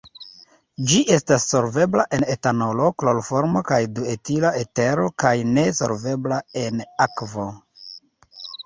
Ĝi estas solvebla en etanolo, kloroformo kaj duetila etero kaj ne solvebla en akvo.